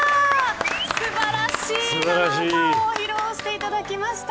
素晴らしい生歌を披露していただきました。